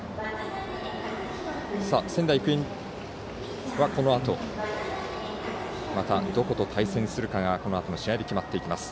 仙台育英は、このあとまたどこと対戦するかがこのあとの試合で決まっていきます。